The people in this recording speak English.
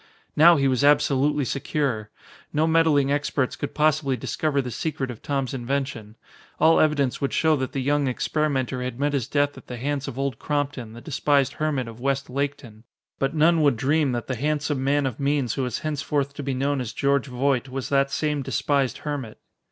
Now he was absolutely secure! No meddling experts could possibly discover the secret of Tom's invention. All evidence would show that the young experimenter had met his death at the hands of Old Crompton, the despised hermit of West Laketon. But none would dream that the handsome man of means who was henceforth to be known as George Voight was that same despised hermit.